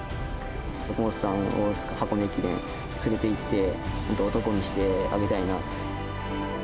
徳本さんを箱根駅伝に連れていって、男にしてあげたいなって。